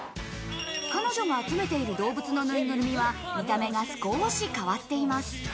彼女が集めている動物のぬいぐるみは見た目が少し変わっています。